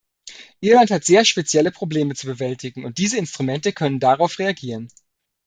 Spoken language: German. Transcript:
Irland hat sehr spezielle Probleme zu bewältigen und diese Instrumente können darauf reagieren.